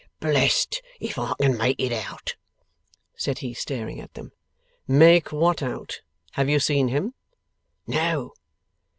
'Blest if I can make it out!' said he, staring at them. 'Make what out? Have you seen him?' 'No.